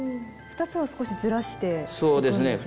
ほぉ２つを少しずらしていくんですね。